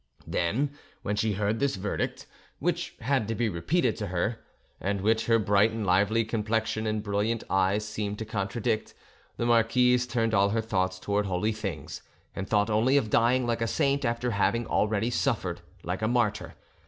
Then, when she heard this verdict, which had to be repeated to her, and which her bright and lively complexion and brilliant eyes seemed to contradict, the marquise turned all her thoughts towards holy things, and thought only of dying like a saint after having already suffered like a martyr.